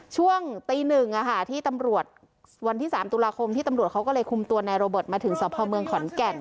ช่วงตีหนึ่งที่ตำรวจวันที่๓ตุลาคมที่ตำรวจเขาก็เลยคุมตัวนายโรเบิร์ตมาถึงสพเมืองขอนแก่น